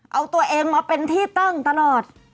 เอาตัวเองมาเป็นที่ตั้งตลอด